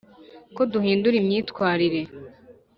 ko duhindura imyitwarire